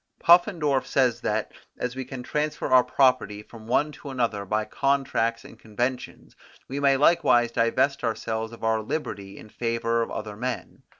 Puffendorf says that, as we can transfer our property from one to another by contracts and conventions, we may likewise divest ourselves of our liberty in favour of other men.